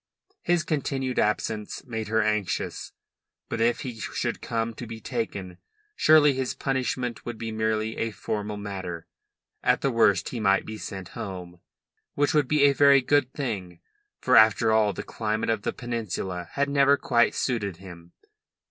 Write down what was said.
His continued absence made her anxious. But if he should come to be taken, surely his punishment would be merely a formal matter; at the worst he might be sent home, which would be a very good thing, for after all the climate of the Peninsula had never quite suited him.